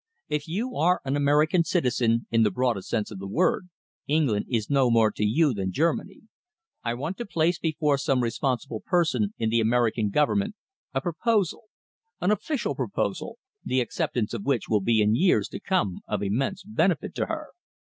If you are an American citizen in the broadest sense of the word, England is no more to you than Germany. I want to place before some responsible person in the American Government, a proposal an official proposal the acceptance of which will be in years to come of immense benefit to her."